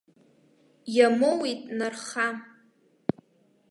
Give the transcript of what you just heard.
Иамоуит нарха.